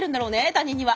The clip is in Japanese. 他人には。